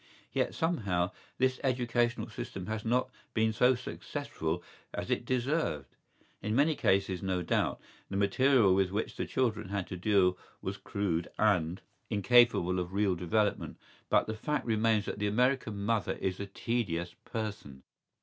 Yet, somehow, this educational system has not been so successful as it deserved.¬Ý In many cases, no doubt, the material with which the children had to deal was crude and incapable of real development; but the fact remains that the American mother is a tedious person.